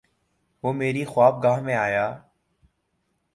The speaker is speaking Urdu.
وہ میری خوابگاہ میں آیا